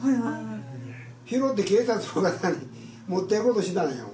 拾って警察に持っていこうとしてたんよ。